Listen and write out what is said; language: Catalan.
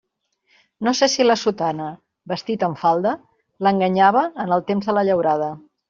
No sé si la sotana, vestit amb falda, l'enganyava en el temps de la llaurada.